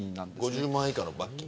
５０万円以下の罰金。